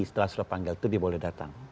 setelah surat panggilan itu dia boleh datang